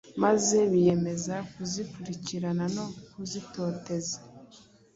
maze biyemeza kuzikurikirana no kuzitoteza.